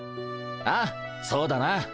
ああそうだな。